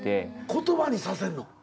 言葉にさせんの。